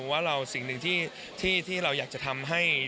ว่าสิ่งหนึ่งที่เราอยากจะทำให้